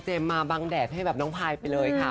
มาบังแดดให้แบบน้องพายไปเลยค่ะ